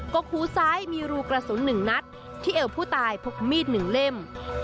กกหูซ้ายมีรูกระสุน๑นัดที่เอวผู้ตายพกมีด๑เล่ม